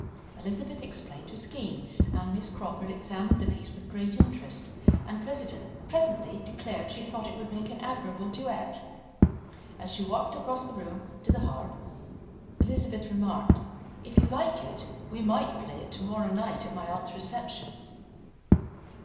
Elizabeth explained her scheme, and Miss Crawford examined the piece with great interest, and presently declared she thought it would make an admirable duet. As she walked across the room to the harp, Elizabeth remarked: "If you like it, we might play it to morrow night at my aunt's reception."